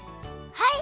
はい！